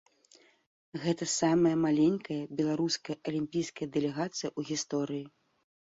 Гэта самая маленькая беларуская алімпійская дэлегацыя ў гісторыі.